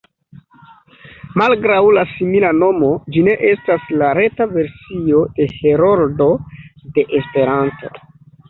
Malgraŭ la simila nomo, ĝi ne estas la reta versio de Heroldo de Esperanto.